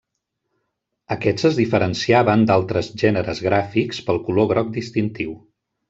Aquests es diferenciaven d'altres gèneres gràfics pel color groc distintiu.